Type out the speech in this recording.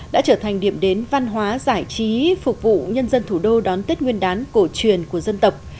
đã trở thành điểm đến văn hóa giải trí phục vụ nhân dân thủ đô đón tết nguyên đán cổ truyền của dân tộc